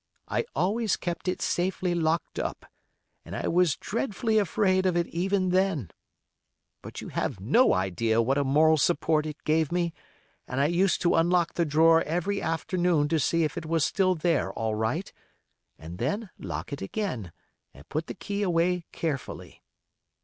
I always kept it safely locked up, and I was dreadfully afraid of it even then. But you have no idea what a moral support it gave me, and I used to unlock the drawer every afternoon to see if it was still there all right, and then lock it again, and put the key away carefully.